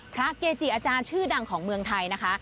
เกจิอาจารย์ชื่อดังของเมืองไทยนะคะ